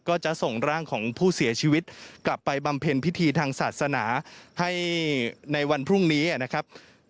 ก็จะส่งร่างของผู้เสียชีวิตกลับไปบำเพ็ญพิธีทางศาสนาให้ในวันพรุ่งนี้นะครับ